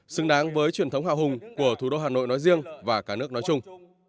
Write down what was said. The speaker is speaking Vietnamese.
xứng đáng với truyền thống hào hùng của thủ đô hà nội nói riêng và cả nước nói chung